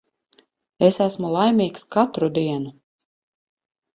Es esmu laimīgs katru dienu.